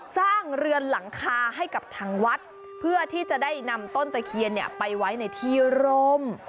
สร้างเรือนหลังคาให้กับทางวัดเพื่อที่จะได้นำต้นตะเคียนไปไว้ในที่ร่ม